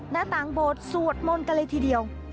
หน้าต่างโบสถสวดมนต์กันเลยทีเดียว